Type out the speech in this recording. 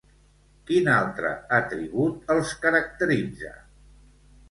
Quin altre atribut els caracteritza?